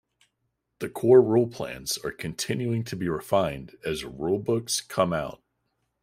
The core rule plans are continuing to be refined as rule books come out.